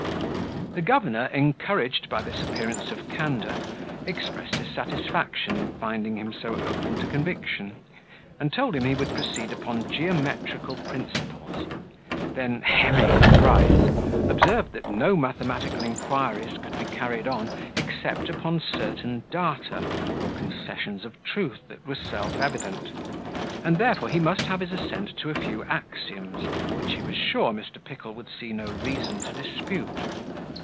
The governor, encouraged by this appearance of candour, expressed his satisfaction in finding him so open to conviction, and told him he would proceed upon geometrical principles; then, hemming thrice, observed that no mathematical inquiries could be carried on, except upon certain data, or concessions of truth that were self evident; and therefore he must have his assent to a few axioms, which he was sure Mr. Pickle would see no reason to dispute.